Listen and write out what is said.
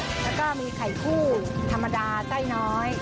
แล้วก็มีไข่คู่ธรรมดาไส้น้อย